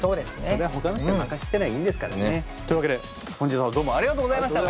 それはほかの人に任してりゃいいですからね。というわけで本日はどうもありがとうございました！